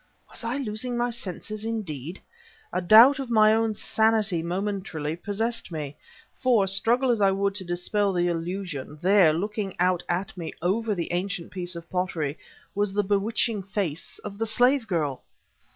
Was I losing my senses indeed? A doubt of my own sanity momentarily possessed me. For, struggle as I would to dispel the illusion there, looking out at me over that ancient piece of pottery, was the bewitching face of the slave girl!